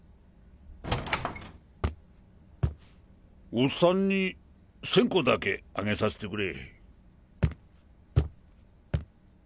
おっさんに線香だけあげさせてくれ。